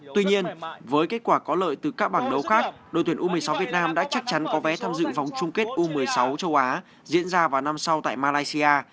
tuy nhiên với kết quả có lợi từ các bảng đấu khác đội tuyển u một mươi sáu việt nam đã chắc chắn có vé tham dự vòng chung kết u một mươi sáu châu á diễn ra vào năm sau tại malaysia